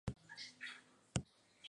Tenía tres hermanos y tres hermanas.